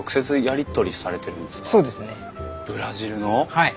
はい。